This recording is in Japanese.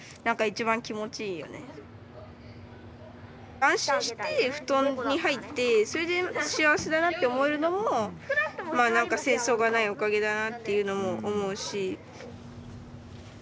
安心して布団に入ってそれで幸せだなって思えるのもまあ何か戦争がないおかげだなっていうのも思うし。